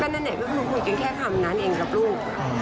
แม่น้ำเน็ตก็คุยกันแค่คำนั้นเองกับลูก